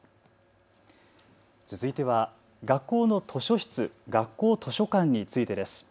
続いては学校の図書室、学校図書館についてです。